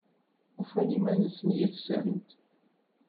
Ufan iman-nsen yid-sent?